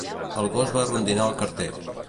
El gos va rondinar al carter.